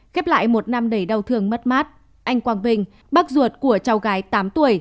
khép lại một năm đầy đau thương mất mát anh quang vinh bác ruột của cháu gái tám tuổi